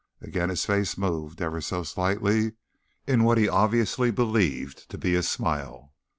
Again his face moved, ever so slightly, in what he obviously believed to be a smile.